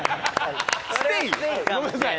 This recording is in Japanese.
ごめんなさい。